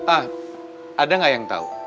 ah ada gak yang tau